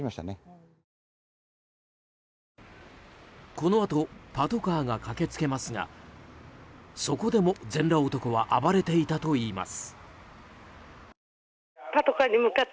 このあとパトカーが駆け付けますがそこでも全裸男は暴れていたといいます。